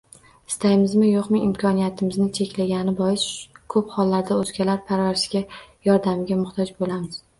Istaymizmi, yoʻqmi, imkoniyatimiz cheklangani bois, koʻp hollarda oʻzgalar parvarishiga, yordamiga muhtoj boʻlamiz.